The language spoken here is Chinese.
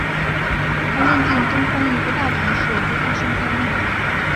他认定东方一个大城市会发生灾难。